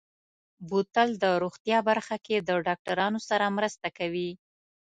بوتل د روغتیا برخه کې د ډاکترانو سره مرسته کوي.